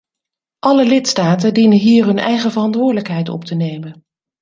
Alle lidstaten dienen hier hun eigen verantwoordelijkheid op te nemen.